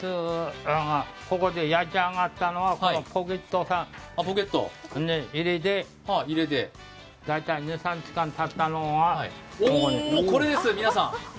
ここで焼き上がったのは、ポケットさ入れて、大体２３時間たったのがこれです。